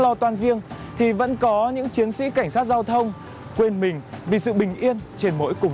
lo toan riêng thì vẫn có những chiến sĩ cảnh sát giao thông quên mình vì sự bình yên trên mỗi cùng